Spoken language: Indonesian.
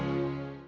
ya ke belakang